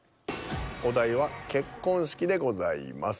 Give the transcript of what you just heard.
お題は「結婚式」でございます。